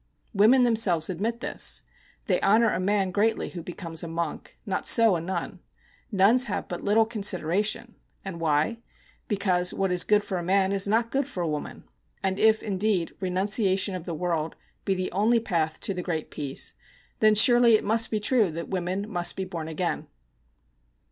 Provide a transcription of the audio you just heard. Women themselves admit this. They honour a man greatly who becomes a monk, not so a nun. Nuns have but little consideration. And why? Because what is good for a man is not good for a woman; and if, indeed, renunciation of the world be the only path to the Great Peace, then surely it must be true that women must be born again.